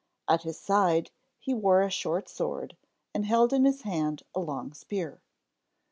At his side he wore a short sword, and held in his hand a long spear.